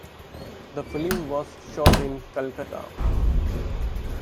The film was shot in Calcutta.